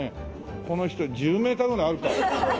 この人１０メーターぐらいあるか？